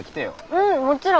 うんもちろん。